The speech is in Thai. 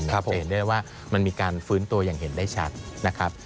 จะเห็นได้ว่ามันมีการฟื้นตัวอย่างเห็นได้ชัดนะครับ